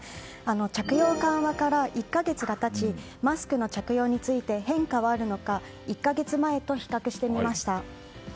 着用緩和から１か月が経ちマスクの着用について変化はあるのか１か月前と比較してみました。